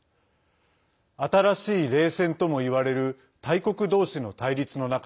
新しい冷戦ともいわれる大国同士の対立の中